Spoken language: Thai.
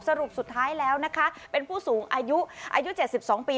สรุปสุดท้ายแล้วนะคะเป็นผู้สูงอายุอายุ๗๒ปี